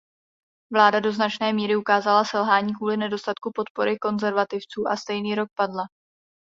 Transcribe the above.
Vláda do značné míry ukázala selhání kvůli nedostatku podpory Konzervativců a stejný rok padla.